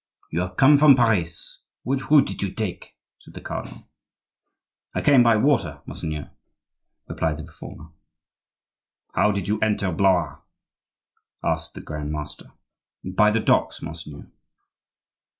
"You have come from Paris; which route did you take?" said the cardinal. "I came by water, monseigneur," replied the reformer. "How did you enter Blois?" asked the grand master. "By the docks, monseigneur."